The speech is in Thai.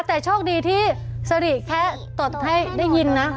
แต่โชคดีที่สริแค่ตดให้ได้ยินนะ